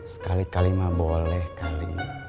sekali kalima boleh kali